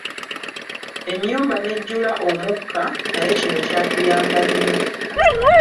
Ennyumba n'ejjula omukka, naye kino kyatuyamba nnyo.